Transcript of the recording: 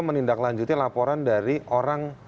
menindaklanjuti laporan dari orang